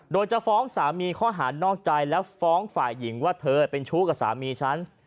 โดยจะฟ้องสามีข้อหารนอกใจและฟ้องฝ่ายหญิงว่าเธอเป็นชู้กับสามีฉัน